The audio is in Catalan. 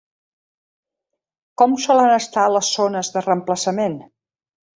Com solen estar les zones de reemplaçament?